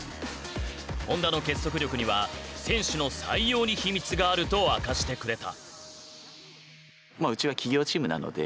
ホンダの結束力には選手の採用に秘密があると明かしてくれた。